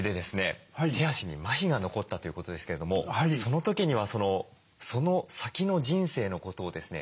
手足にまひが残ったということですけれどもその時にはその先の人生のことをですね